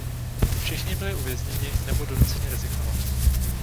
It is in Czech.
Všichni byli uvězněni nebo donuceni rezignovat.